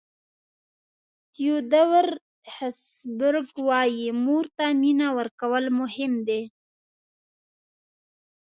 تیودور هسبرګ وایي مور ته مینه ورکول مهم دي.